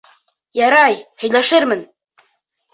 Ярай, һөйләшермен...